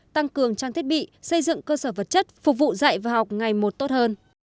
tăng cường trang thiết bị xây dựng cơ sở vật chất phục vụ dạy và học ngày một tốt hơn